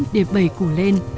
để bầy củ lên